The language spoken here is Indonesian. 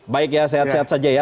baik ya sehat sehat saja ya